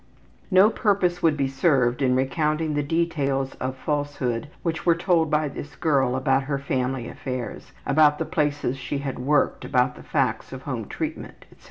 No purpose would be served in recounting the details of falsehood which were told by this girl about family affairs, about the places she had worked, about the facts of home treatment, etc.